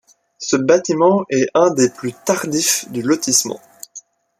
Ce bâtiment est un des plus tardifs du lotissement.